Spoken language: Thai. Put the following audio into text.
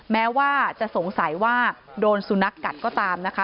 แม้ว่าจะสงสัยว่าโดนสุนัขกัดก็ตามนะคะ